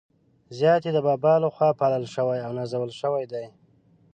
زیات يې د بابا له خوا پالل شوي او نازول شوي دي.